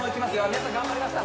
皆さん頑張りました